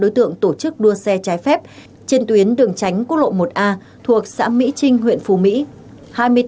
hai mươi tám đối tượng tổ chức đua xe trái phép trên tuyến đường tránh quốc lộ một a thuộc xã mỹ trinh huyện phù mỹ